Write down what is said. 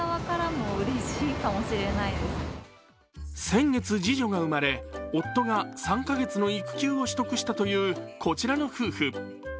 先月、次女が生まれ夫が３か月の育休を取得したというこちらの夫婦。